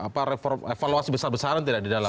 apa evaluasi besar besaran tidak di dalam